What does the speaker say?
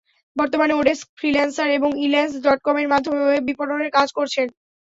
বর্তমানে oDesk, Freelancer এবং Elance ডটকমের মাধ্যমে ওয়েব বিপণনের কাজ করছেন।